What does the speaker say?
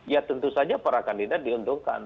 ya tentu saja para kandidat diuntungkan